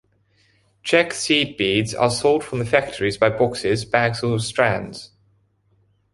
Czech seed beads are sold from the factories by boxes, bags or strands.